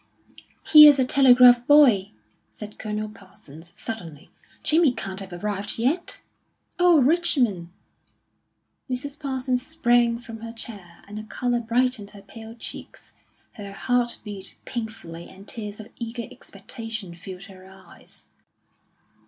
"Here's a telegraph boy!" said Colonel Parsons suddenly. "Jamie can't have arrived yet!" "Oh, Richmond!" Mrs. Parsons sprang from her chair, and a colour brightened her pale cheeks. Her heart beat painfully, and tears of eager expectation filled her eyes.